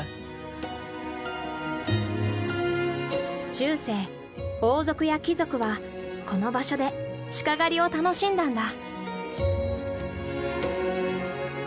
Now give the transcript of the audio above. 中世王族や貴族はこの場所でシカ狩りを楽しんだんだ。